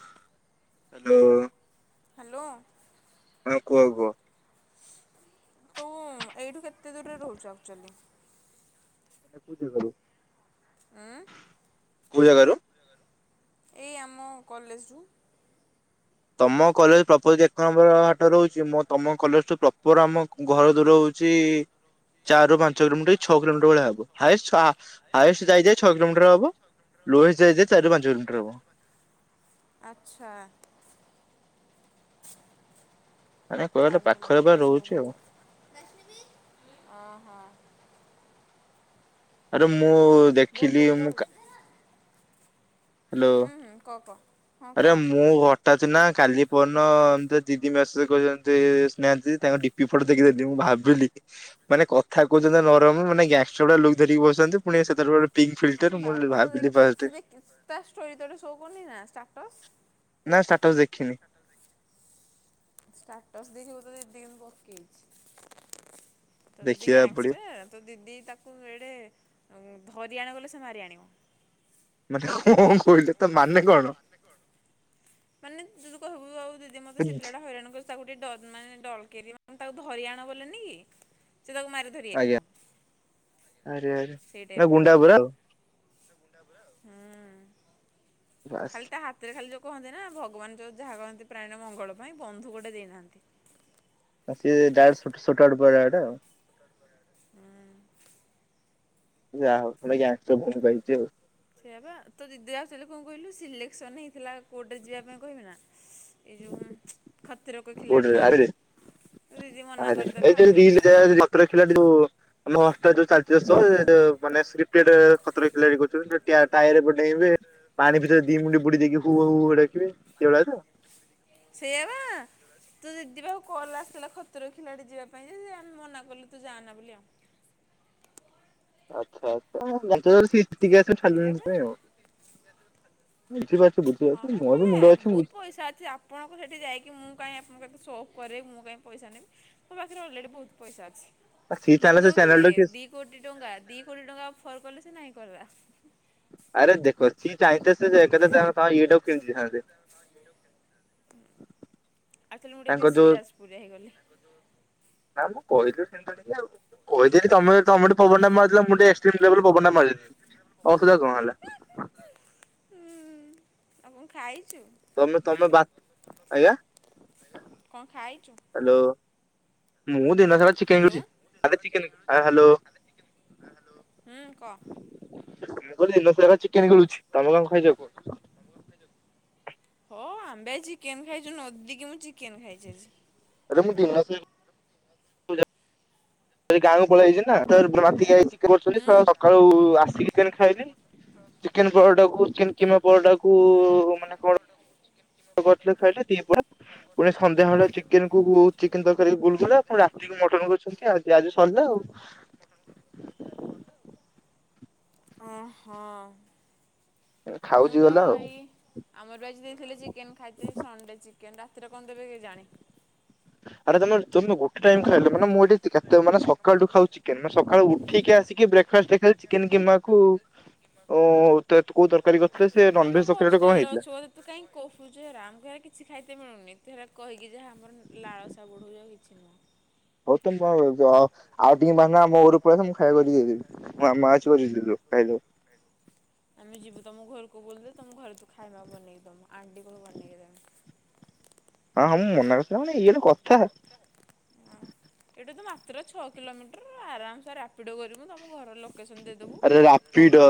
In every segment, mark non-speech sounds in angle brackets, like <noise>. Hello. Hello. ହଁ କୁହ କୁହ। ତୁ ଏଇଠୁ କେତେ ଦୂରରେ ରହୁଛୁ ଆକ୍ଚୁଆଲି? ମାନେ କୋଉ ଜାଗାରୁ? ଆଁ? କୋଉ ଜାଗାରୁ? ଏଇ ଆମ କଲେଜରୁୁ। ତମ କଲେଜ ପ୍ରପର ଯେ ଏକ ନମ୍ବର ହାଟ ରହୁଛି। ମୋ ତମ କଲେଜଠୁ ପ୍ରପର ଆମ ଘ-ଘର ଦୂର ହଉଛି ଚାରିରୁ ପାଞ୍ଚ କିଲୋମିଟର କି ଛଅ କିଲୋମିଟର ଭଳିଆ ହବ। ହାଇଏଷ୍ଟ ଆ ହାଇଏଷ୍ଟ ଯାଇ ଯାଇ ଛଅ କିଲୋମିଟର ହବ, ଲୋଏଷ୍ଟ ଯାଇ ଯାଇ ଚାରିରୁ ପାଞ୍ଚ କିଲୋମିଟର ହବ। ଆଚ୍ଛା। ଚାର୍ଜ <unintelligible> ବହୁତ୍ ଚାର୍ଜ ହଁ ହଁ। ଆରେ ମୁଁ ଦେଖିଲି ମୁଁ କା ହାଲୋ ଆରେ ମୁଁ ଘ <unintelligible> ନା କାଲି ପରଦିନ ଏମିତି ଦିଦି ମେସେଜ କରିଛନ୍ତି ସ୍ନେହା ଦିିଦି ତାଙ୍କ ଡିପ୍ କି ଫଟୋ ଦେଖିଦେଲି ମୁଁ ଭାବିଲି ମାନେ କଥା କହୁଛନ୍ତି ନରମ ମାନେ ଗ୍ୟାଙ୍ଗଷ୍ଟର ଭଳିଆ ଲୁକ୍ ଧରିକି ବସିଛନ୍ତି ପୁଣି ସେଥେରେ ଗୋ ପିଙ୍କ୍ ଫିଲ୍ଟର ମୁଁ <unintelligible> ଭାବିଲି ଫାଷ୍ଟେ ତା ଷ୍ଟୋରି ତୋର ଶୋ କରୁନି ନା ଷ୍ଟାଟସ୍? ନାଁ ଷ୍ଟାଟସ୍ ଦେଖିନି। ଷ୍ଟାଟସ୍ ଦେଖିବୁ ତୋ ଦିଦି କେମିତି ପକେଇଛି। ତୋ ଦିଦି ଗ୍ୟାଙ୍ଗଷ୍ଟାର୍। ତୋ ଦିଦି ତାକୁ ଏଇଡ଼େ ଉଁ ଧରି ଆଣ କହିଲେ ସେ ମାରି ଆଣିବ। ମାନେ କଣ କହିଲେ ତା ମାନେ କଣ? ମାନେ ତୁ ଯଦି କହିବୁ ଆଉ ଦିଦି ମତେ ସେ ପିଲାଟା ହଇରାଣ କର୍ ତାକୁ ଟିକେ ଡ ମାନେ ଡଲକେଇ <unintelligible> ତାକୁ ଧରି ଆଣ ବୋଲେନିକି ସେ ତାକୁ ମାରି <unintelligible> ସେଇ ଟାଇପର ଆଉ। ହୁଁ। ଖାଲି ତା ହାତେରେ ଖାଲି ଯୋଉ କୁହନ୍ତି ନା ଭଗବାନ ଯୋଉ ଯାହା କରନ୍ତି ପ୍ରାଣୀର ମଙ୍ଗଳ ପାଇଁ ବନ୍ଧୁକଟେ ଦେଇନାହାନ୍ତି। ସେ ଡାଇରେକ୍ଟ ସୁଟ୍-ସୁଟ୍ ଆଉଟ୍ <unintelligible> ଆଉ। ହୁଁ। ଯାହାହଉ ଗୋଟେ ଗ୍ୟାଙ୍ଗଷ୍ଟର ଭଉଣୀ ମୁଁ ପାଇଛି ଆଉ। ସେଇଆ ବା ତୋ ଦିଦି ଆକ୍ଚୁଆଲି କଣ କହିଲୁ ସିଲେକ୍ସନ ହେଇଥିଲା କୋଉଟାରେ ଯିଆ ପାଇଁ କହିବି ନା ସ୍ ଏଇ ଯୋଉଁ ଖତରୋକି ଖିଲାଡ଼ି ହେଲା। ତୋ ଦିଦି ମନା କରିଦେଲା ଆଉ। <unintelligible> ଖତରୋକି ଖିଲାଡି ଯୋଉ ଆମ ହଷ୍ଟେଲରେ ଯୋଉ ଚାଲିଛି <unintelligible> ସୋ ମାନେ ସ୍କ୍ରିପଟେଡ୍ ଖତରୋକି ଖିଲାଡି କରୁଛନ୍ତି ଟିଆ ଟାୟାର ଉପରେ ଡେଇଁବେ, ପାଣି ଭିତେରେ ଦି ମୁଣ୍ଡି ବୁଡି ଦେଇକି ହୁ ହୁ ହୁ ହୁ ହୋଇ ଡାକିବେ ସେଇଭଳିଆ ତ? ସେଇଆ ବା। ତୋ ଦିଦି ପାଖୁକୁ କଲ ଆସିଥିଲା ଖତରୋକି ଖିଲାଡି ଯିବା ପାଇଁ ଯେ ଆମେ ମନା କଲୁ ତୁ ଯାଆନା ବୋଲି ଆଉ। ଆଚ୍ଛା ଆଚ୍ଛା ଜାଣିଛ ତ ସିଏ ଜିତିକି ଆସିବ ଛାଡିଲନି ସେଥିପାଇଁ ଆଉ। <unintelligible> ହଁ ବା କହିଲା ବହୁତ ପଇସା ଅଛି ଆପ୍ ପଣଙ୍କୁ ସେଇଠି ଯାଇକି ମୁଁ କାହିଁ ଆପଣଙ୍କକୁ ଏତେ ସୋ ଅଫ୍ କରେଇବି ମୁଁ କାହିଁ ପଇସା ନେବି ମୋ ପାଖେରେ ଅଲରେଡି ବହୁତ ପଇସା ଅଛି। ତାକୁ ଦଉଥିଲି ଦି କୋଟି ଟଙ୍କା ଦି କୋଟି ଟଙ୍କା ଅଫର କଲେ ସେ ନାହିଁ କଲା। ଆରେ ଦେଖ ସିଏ ଚାହିଁଥିଲେ ସେ ଯେ ଏକାଥରେ ତାଙ୍କ <unintelligible> ଇଏଟାକୁ କିଣି ଦେଇଥାଆନ୍ତେ। ଉ ଆକଚୁଆଲି ମୁଁ ଟିକେ ବେଶୀ ଯାଜପୁରିଆ ହେଇଗଲି। ନା ମୁଁ କହିଥିଲି ସେମିତି ଟିକେ ଆଉ କହିଥିଲି ତମେ ତମ ପବନଟା ମାରିଦେଲ ମୁଁ ଏକ୍ସଟ୍ରିମଲେବୁଲ ପବନ ମାରିଦେଲି ଅସୁବିଧା କଣ ହେଲା? ହୁ ଆଉ କଣ ଖାଇଛୁ? କଣ ଖାଇଛୁ? ମୁଁ ଦିନ ସାରା ଚିକେନ <unintelligible> ହୁଁ କହ? ମୁଁ କହିଲି ଏଲୋ କଲର୍ ଚିକେନ୍ ଖେଳୁଛି। <unintelligible> ଚିକେନ। ହଁ ଆମ୍ଭେ ଚିକେନ ଖାଇଛୁ ନଦି କିି ମୁଁ ଚିକେନ ଖାଇଛି ଆଜି। ଏବେ ମୁଁ ବିନା ପ୍ଲେଟ୍ ଗାଁକୁ ପଳେଇ ଆଇଛି ନା <unintelligible> ସକାଳୁ ଆସିକି ଚିକେନ ଖାଇଲି। ଚିକେନ ପରଟାକୁ ଚିକେନ କିମା ପରଟା କୁ ମାନେ କଣ କରିଥିଲେ ଖାଇଲେ ଦିପହରେ ପୁଣି ସନ୍ଧ୍ୟାବେଳେ ଚିକେନ କୁ ଚିକେନ ତରକାରୀ ଗୁଲଗୁଲା ପୁଣି ରାତି ମଟନ କରଛନ୍ତି ଆ ଆଜି ସରିଲା ଆଉ। ତାପ <inaudible> ଓ ହଁ ମୁଁ ତ ଏଇ ଆମର ବା ଆଜି ଦେଇ ଥିଲେ ଚିକେନ ଖାଇତେ ସଡେ ଚିକେନ ରାତିରେ କଣ ଦେବେ କି ଜାଣି? ଆରେ ତମେ ତମେ ଗୋଟେ ଟାଇମ୍ ଖାଇଲ ମାନେ ମୁଁ ଏଇଠି କେତେ ମାନେ ସକାଳଠୁ ଖାଉ ଚିକେନ ମାନ ସକାଳୁ ଉଠିକି ଆସିକି ବ୍ରେକ୍ ଫାଷ୍ଟ ଦେଖ ଚିକେନ କିମାକୁ କୋଉ ତରକାରୀ ସେ ନନଭେଜ ଚକୋଲେଟ କଣ ହେଇଥିଲା? ତୁ କାହିଁକି କହୁଛୁ ହେରା ଆମକୁ ହେଲେ କିଛି ଖାଇତେ ମିଳୁନି ତୁ ହେରା କହିକି ଯେ ଆମର ଲାଳସ ବଢ଼ାଉଛି ଆଉ କିଛି ନାଇ। ହଉ ତମ ଯ ଆଉ ଟିକେ ମାନ ଆମ ଘରକୁ ପଳେଇ ଆସ ମୁଁ ଖାଇବା କରି ଦେଇ ଦେବି ମୋ ମାମା ଅଛି ବନେଇକି <unintelligible> ଖାଇବ। ଆମେ ଯିବୁ ତମ ଘରକୁ ବୋଲ ଦେ ତମ ଘରେ ତୁ ଖାଇବା ବନେଇି ଦବୁ ଆଣ୍ଟି କୁ କହିବୁ ବନେଇକି ଦେବେ। ହଁ ହଁ ମୁଁ ମନା କରୁଚି ନା କଣ ଇଏ ଗୋଟେ କଥା। ଏଇଟା ତ ମାତ୍ର ଛଅ କିଲୋମିଟର ଆରାମସେ ରାପିଡୋ କରିବୁ। ମୁଁ ଆମ ଘର ଲୋକେସନ ଦେଇଦବୁ ପକ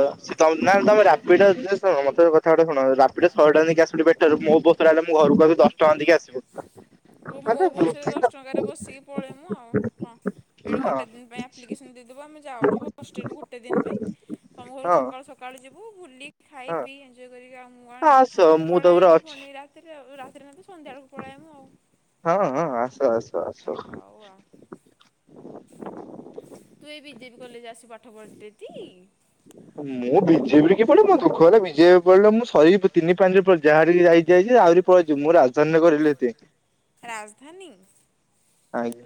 କଥା ଗୋଟେ ଶୁଣ ରାପିଡୋ ଶହେ ଟଙ୍କା ଦେଇକି ଆସିବା ବେଟର ମୋ ବସରେ ଆଇଲେ ମୋ ଘରକୁ ଆ ଦଶ ଟଙ୍କା ଦେଇକି ଆସିବ। ମୋ ବସରେ ଦଶ ଟଙ୍କାରେ ବସିକି ପଳେ ମୁଁ ଆଉ କଣ ଏଇଠି ଗୋଟେ ଦିନ ପାଇଁ ଆପ୍ଲିକେସନ୍ ଦେଇଦେବୁ ଆମେ ଯାଉଛୁ ହଷ୍ଟେଲରୁ ଗୋଟେ ଦିନ ପାଇଁ ତମ ଘରକୁ ସକାଳୁ ସକାଳୁ ଯିବୁ ବୁଲିକି ଖାଇ ପିଇ ଏଞଜୟ କରିକି ଆମକୁ ଆଣି ପଳେଇ ଆଇବୁ ରାତି ରାତିରେ ନାହିଁ ତ ସନ୍ଧ୍ୟାବେଳକୁ ପଳେଇ ଆଇବୁ ଆଉ ହଁ ହଁ ଆସ ଆସ ଆସ। ହଉ ଆଉ। ତୁ ଏଇ ବିଜେପି କଲେଜ ଆସି ପାଠ ପଢ଼େତି? ମୁଁ ବିଜେପିରେ କି ବଲି ମୋ ଦୁଃଖ ଗଲା ବିଜେପି ପଢିଲେ ମୁଁ ଶହେ ତିନି ପାଞ୍ଚି ଯାହା ହେରି ଆହୁରି <unintelligible> ମୁଁ ରାଜଧାନି <unintelligible> <unintelligible> ରାଜଧାନୀ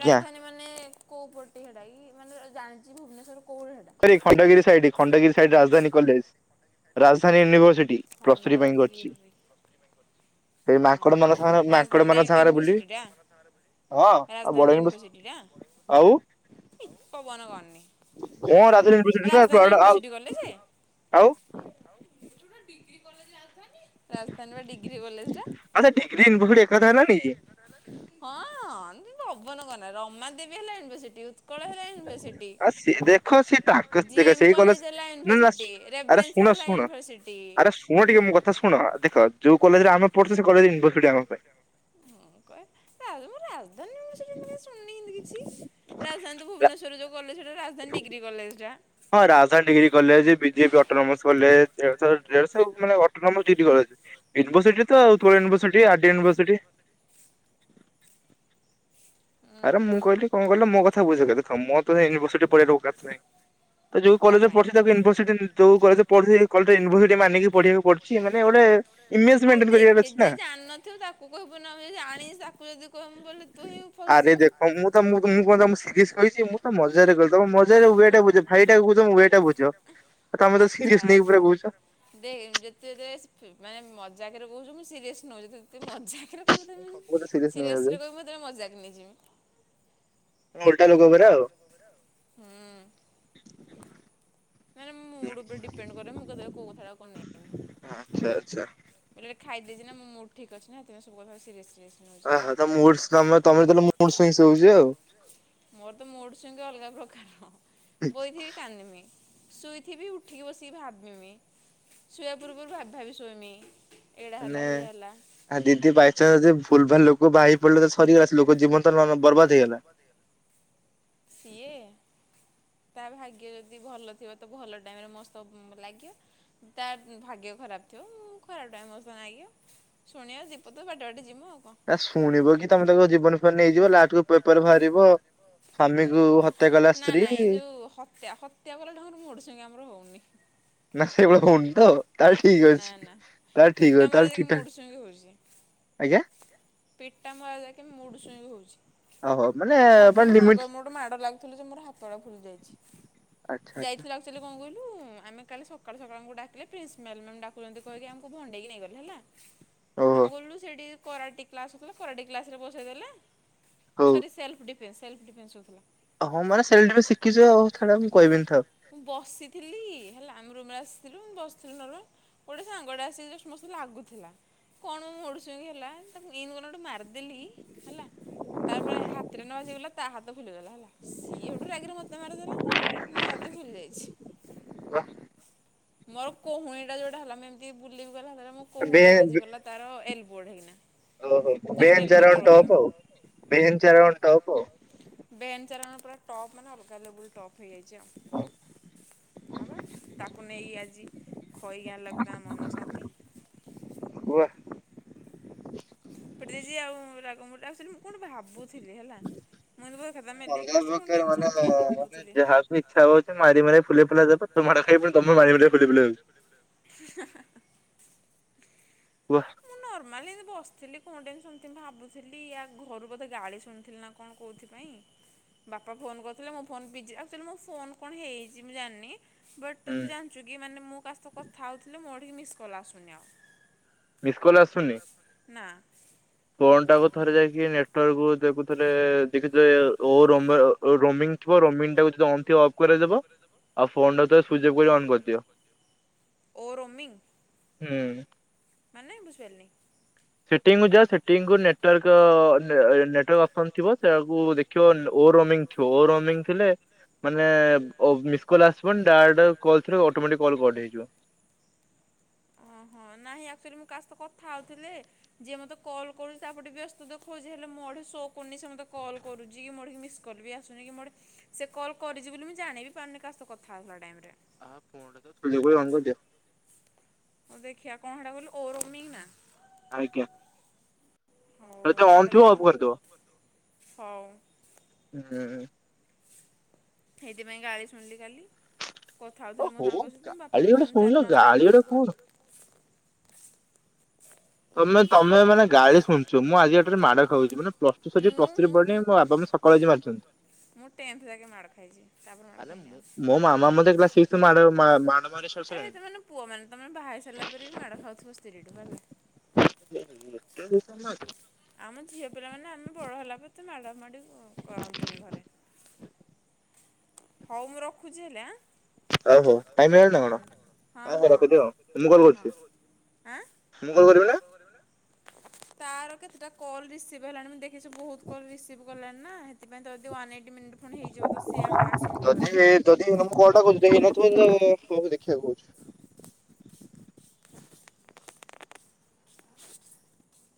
ରାଜଧାନୀ ମାନେ କୋଉ ପଟେ ହେରା କି ମାନେ ଜାଣିଛି ଭୁବନେଶ୍ୱର କୋଉ ହେରା Khandagiri side Khandagiri side Rajdhani college Rajdhani university. T plus three ପାଇଁ କରିଛି। ଓ ହୋ ରାଜଧାନୀଟା ୟୁନିଭର୍ସିଟି ଟା? ରାଜଧାନୀ ୟୁନିଭରସିଟି ଟା? ପବନ କରନି। ରାଜଧାନୀ ଉନିଭରସିଟି କଲେଜେ? ରାଜଧାନୀ ବା ଡିଗ୍ରୀ କଲେ ଆଚ୍ଛା ଡ଼ିଗ୍ରୀ ୟୁନିଭରସିଟି ଏକ କଥା ହେଲାନି କି? ହଁ ତୁ ପବନ କରନା ରମାଦେବୀ ହେଲା ୟୁନିଭର୍ସିଟି ଉତ୍କଳ ହେଲା ୟୁ ଜି ଏନ୍ କଲେଜ ହେଲା ୟୁନି ଭର ସିଟି ରେଭେନ୍ସା ହେଲା ୟୁନି ଟି। ପୁଣ ଟିକେ ମୋ କଥା ଶୁଣ ଦେଖ ଯୋଉ କଲେଜରେ ଆମ ପଢୁଛ ସେ କଲେଜ ୟୁନିଭରସିଟିର ଆମ ପାଇଁ। ହୁଁ କହ ଆ ମ କିଛି ରାଜଧାନୀ ଭୁବନେଶ୍ୱର ଯୋଉ କଲେଜ ସେଟା ରାଜଧାନୀ ଡିଗ୍ରୀ କଲେଜଟା। ହଁ Rajdhani degree college BJP autonomous college ଦେଢହ ଦେଢଶହ ମାନେ ଅଟୋନୋମସ ଡିଗ୍ରୀ କଲେଜ। ୟୁିଭର୍ସିଟି ତ ଉତ୍କଳ ୟୁନଭର୍ସିଟି ଆଡି ୟୁନିର୍ସିଟି। ଆରେ ମୁଁ କହିଲି କଣ ମୋ କଥା ବୁଝ କ ଦେଖ ମୁଁ ତ ସେ ୟୁିଭର୍ସିଟି ତ ଯୋଉ କଲେଜରେ ପଢୁଛି ୟୁନିଭରସିଟି ୟୁନିଭରସିଟି ମାନେ ଗୋଟେ ଇମେଜ ମେଣ୍ଟେନ ଅଛି ନା? ଆଣି ନଥିବ ତା କୁ କହିବୁ ଆମେ ଯଦି ଆଣିି ତାକୁ ଯଦି କହିବୁ ବୋଲି ତୁ ହିଁ ଆରେ ଦେଖ ମୁଁ ତ ମୁଁ କହ ସି କହିଛି ମୁଁ ତ ମଜାରେ କଲି ତମ ମଜାରେ ୱେଟା ବୁଝ ଭାଇଟା କହୁ ତ ୱେଟା ବୁଝ ତମେ ତ ସିରିୟସ ନେଇକି ପୁରା କହୁଛ। ଦେଖେ ଯେତେ ଯେ ମାନେ ମଜାକରେ କହୁଛୁ ମୁ ସିରିଅସ ନଉଛି। ତତେ ମଜାକରେ କହିବତେମଁ ସିରିଅସରେ କହିବି ମତେ ମଜାକ ନେଇଯିବି। ଓଲଟା ଲୋକ ହୁଁ। ମୁଡ୍ ଉପରେ ଡିପେଣ୍ଡ କରେ ମୁଁ କୋଉ କଥାଟା ନି ଆଚ୍ଛା ଆଚ୍ଛା। ଖାଇ ଦେଇେଛି ନା ମୁଡ ଠିକ ଅଛି ନା ସେ ସବୁକଥା ସିରିଏସ ସିରିଏସ। ଓହୋ ତ ମୁମେ ତମେ ହଁ ମୁଡ ସ ଶଉଛି ଆଉ। ମୋର ତ ମୋଟ ସଙ୍ଗେ ଅଲଗା ପ୍ରକାର ବୋଇଥିବି କାନ୍ଦିମି। ଶୋଇଥିବି ଉଠିକି ବସିକି ଭାବମି ଶୋଇବା ପୂର୍ବରୁ ଭାବି ଭାବି ଶୋଇମି। ଏଇଡ଼ା ହେଲା ଇଏ ହେଲା। ହଁ ଦିଦି ବାଇଚାନ୍ସ ଯଦି ଭୁଲ ଭାଲ ଲୋକ ବାହାରି ପଡିଲେ ସରିଗଲା ଲୋକ ଜୀବନ ତ ବର୍ବାଦ ହେଇଗଲା। ସିଏ ତା ଭାଗ୍ୟ ଯଦି ଭଲ ଥିବ ତ ଭଲ ଟାଇମରେ ମସ୍ତ ଲାଗିବ। ତ ଭାଗ୍ୟ ଖରାପ ଥିବ ଖରାପ ଟାଇମସନ୍ ଲାଗ ଶୁଣିଆ ଦି ପଦ ବାଟେ ବାଟେ ଯିବୁ ଆଉ କଣ? ନା ଶୁଣିବ କି ତମେ ତାଙ୍କ ଜୀବନ ଫିବନ ନେଇଯିବ ଲାଷ୍ଟକୁ ପେପର୍ ରେ ବାହାରିବ ସ୍ଵାମୀକୁ ହତ୍ୟା କଲା ସ୍ତ୍ରୀ। ହତ୍ୟା ହତ୍ୟା ଗଲେ ଢଙ୍ଗର ମୋଡଛୁଙ୍ଗେ ଆମର ହଉନି। ନା ସେଇଭଳି ହଉନ ତ ତାହଲେ ଠିକ ଅଛି ତାହେଲେ ଠିକ ତାହେଲେ ଠିକଠାକ ଆଜ୍ଞା? ପିଟା ମରା ଯାକେ ମୁଡ଼ ଶୁଇଙ୍ଗ ହଉଛି ଖାଲି ତ ସାଙ୍ଗ ଗୋଟେ ମାଡ ଲାଗୁଥିଲା ଯେ ମୋର ହାତ ଗୋଡ ଫୁଲି ଯାଇଛି ଯାଇଥିଲା ଅଲ କଣ କହିଲୁ ଆମେ କାଲି ସକାଳୁ ସକାଳଙ୍କୁ ଡାକିଲେ ପ୍ରିନ୍ସିପାଲ ମ୍ୟାମ ଡାକୁଛନ୍ତି କହିକି ଆମକୁ ଭଣ୍ଡେଇକି ନେଇ ଗଲେ ହେଲା। ଆମେ ଗଲୁ ସେଇଠି କରାଟି କ୍ଲାସ ହଉ କରାଟି କ୍ଲାସ ରେ ବସେଇଦେଲେ। Sorry self defence self defence ହଉଥିଲା। ହଁ ମାନେ ସେ ବି ଶିଖିଛୁ ଆଉ ମୁଁ କହିବିନି ଥାଉ। ମୁଁ ବସିଥିଲି ହେଲା ଆମ ରୁମ୍ ଆସିଥିଲୁ ମୁଁ ବସିଥିଲୁ ନରମାଲ ଗୋଟେ ସାଙ୍ଗଟେ ଆସିକି ଯଷ୍ଟ ମୋ ସହ ଲାଗୁଥିଲା। କଣ ମୁଡ ସୁଇଙ୍ଗ ହେଲା ତାକୁ ଇନ କରିକି ଗୋଟେ ମାରିଦେଲି ହେଲା। ତାପରେ ହାତରେ ନ ଆସି ଗଲା ତା ହାତ ଫୁଲିଗଲା ହେଲା ସିଏ ଗୋଟେ ରାଗିକିନା ମତେ ମାରି ଦେଲା ମୁଁ ହାତ ଫୁଲି ଯାଇଛି। ହଁ। ମୋର କହୁଣୀ ଟା ଯୋଉଟା ହେଲା ବୁଲିି ଗଲା ମୋ କୋହୁଣିଟା ବାଜିଗଲା ତାର ଏଲବୋର୍ ହେଇକିନା। ଜଷ୍ଟ ଏଲବୋ ତଳକୁ ବେନ୍ ଚାଲାଣ ପୁରା ଟପ୍ ମାନେ ଅଲଗା ଭଲେବୁଲ ଟପ୍ ହେଇଯାଇଚି ଆଉ। ହଁ ବା ତାକୁ ନେଇ ଆଜି ଖୋଇକି ଆଣିଲକୁ ତା ମନ ଶାନ୍ତି। ୱା ପଡିଯାଇଚି ଆଉ ରାଗ ମୁଡ଼ ରେ ଆଉ ସିଏ ମୁଁ କଣ ଭାବୁଥିଲି ହେଲା ମୁଁ ଏମିତି ବହି ଖାତା ନେଲି ଜଷ୍ଟ ଫୋନ ଟେ ଏମିତି ସମଥିଙ୍କ ଭାବୁଥିଲି ତ ମାଡ ଖାଇବୁଣି ତମେ ମାରିବ <unintelligible> ହି ହାଃ ହିଃ। ୱା ମୁଁ ନର୍ମାଲି ଏମିତି ବସିଥିଲି କଣ ଟେ ଏମିତି ସମଥିଙ୍କ ଭାବୁଥିଲି ୟା ଘରୁ ବୋ ଗାଳି ଶୁଣିଥିଲି ନା କଣ କଉଥିପାଇଁ ବାପା ଫୋନ୍ କରିଥିଲେ ମୋ ଫୋନ୍ ବିଜି ଆକଚୁଲି ମୋ ଫୋନ କଣ ହେଇଚି ମୁଁ ଜାଣିନି ବଟ୍ ତୁ ଜାଣିଚୁ କି ମାନେ ମୁଁ କାସହିତ କଥା ହଉଥିଲି ମୋ ଠିକି ମିସ୍କଲ ଆସୁନି ଆଉ ମିସ୍କୁଲ ନା ଫୋନ ଟାକୁ ଥରେ ଯାଇକି ନେଟୱାର୍କ କୁ ଦେଖୁଥିଲେ ଦେଖିଥିବେ ଓରମ୍ବ ଓ ଓ ରୋମିଙ୍ଗ ଥିବ ରୋମିଙ୍ଗ ଟାକୁ ଯଦି ଅନ ଥିବ ଅଫ କରେଇଦବ ଆଉ ଫୋନ୍ ଟା କୁ ଥରେ ସ୍ୱଇଚି ଅଫ କରି ଅନ୍ କରିଦିଅ ଓ ରୋମିଙ୍ଗ? ହୁଁ। ମାନେ ବୁଝିପାରିଲିନି? ସେଟିଙ୍ଗ କୁ ଯା ସେଟିଙ୍ଗ କୁ ନେଟୱାର୍କ ଅ ନେ ନେଟୱାର୍କ ଫୋନ ଥିବ ସେଇକୁ ଦେଖିବ ନ ଓ ରମିଙ୍ଗ ଥିବ ଓ ରମିଙ୍ଗ ଥିଲେ ମାନେ ଓ ମିସ୍ କଲ୍ ଆସିବନି ଡାଇରେକ୍ଟ କଲ ଥିଲା ଅଟୋମେଟିକ କଲ୍ କଟ ହେଇଯିବ। ଓହୋ ନାହିଁ ଆକ୍ଚୁଆଲି ମୁଁ କାହା ସହିତ କଥା ହଉଥିଲେ ଯିଏ ମତେ କଲ କରୁଚି ତାପଟେ ବ୍ୟସ୍ତ ଦେଖୁଚି ହେଲେ ମୋଠି ଶୋ କରୁନି ସେ ମୋତେ କଲ କରୁଚି କି ମୋଠିକି ମିସ ସ୍ କଲ ବି ଆସୁନି କି ମୋଠେ ସେ କଲ୍ କରିଚି ବୋଲି ମୁଁ ଜାଣିବି ପାରୁନି କାସହ କଥା ହେଲା ଟାଇମରେ <unintelligible> ଅନ କରିଦିଅ ଓ ଦେଖିବା କଣ ହେଟା କହିଲୁ ଓ ରମିଙ୍ଗ୍ ନା? ଆଜ୍ଞା। ହଉ ସେଟା ଦେଖା ମୁଁ ହଉ ହୁଁ। ହେଇତି ପାଇଁ ଗାଳି ସୁଣିଲି କାଲି। କଥା ହଉଥିଲି ମୋ ସାଙ୍ଗ ସହିତ ମୋ ବାପା ଫୋନ ଚାରି ପାଞ୍ଚ ଥର ଫୋନ୍ କରୁ ତମେ ତମେ ମାନେ ଗାଳି ଶୁଣିଚ ମୁଁ ଆଜି ଏଟାରେ ମାଡକ ଖଉଚି ମାନେ ପ୍ଲସ ଟୁ ସରିକି ପ୍ସ ଥ୍ରୀ ପଢିଲିନି ମୋ ବାପା ମୋତେ ସ କଲେଜ ମାରୁଚନ୍ତି ମୁଁ ଟେନ୍ଥ ଯାକେ ମାଡ ଖାଇଚି ତାପରେ ମାଡ ଖାଇନି ଆଉ। ଆରେ ତ ମାନେ ପୁଅ ମାନେ ତମେ ବାହା ହେଇସାରିଲା ପାରେ ସାରିଲା ପରେ ବି ମାଡ ଖାଉଥିବ ସ୍ତ୍ରୀଠୁ ହେଲା। <unintelligible> ଆମ ଝିଅ ପିଲାମାନେ ଆମେ ବଡ଼ ହେଲା ପରେ ମାଡ଼ାମାଡ଼ି କରନ୍ତିନି ଘରେ ହଉ ମୁଁ ରଖୁଚି ହେଲେ ଆଁ? ହଁ ହଁଁ ହଁ ଆଁ? ମୁଁ ତ କରିବି ନା? କରିବି ନା? ତାର କେତେଟା କଲ୍ ରିସିଭ ହେଲାଣି ମୁଁ ଦେଖେ ବହୁତ କଲ ରିସିଭ କଲାଣି ନା ହେ ସେଥିପାଇଁ ଯଦି ୱାନ ଏଇଟି ମିନିଟ ଫୁଣି ହେଇଯିବ ତ ସିଏ ଆ ଯଦି ଯଦି ମୁଁ କଲ ଟା କରୁଚି ଯଦି ହେଇନଥିଲା ଅ ହୋଉ ଦେଖିବା କହୁଚି